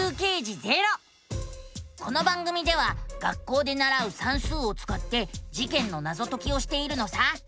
この番組では学校でならう「算数」をつかって事件のナゾ解きをしているのさ。